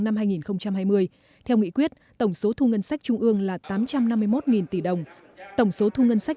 năm hai nghìn hai mươi theo nghị quyết tổng số thu ngân sách trung ương là tám trăm năm mươi một tỷ đồng tổng số thu ngân sách